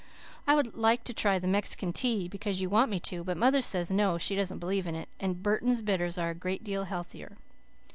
I would like to try the Mexican Tea, because you want me to, but mother says no, she doesn't believe in it, and Burtons Bitters are a great deal healthier.